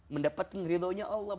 mendapatkan ridhonya allah